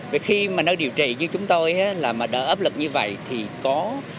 vì khi mà nơi điều trị như chúng tôi đỡ ấp lực như vậy thì có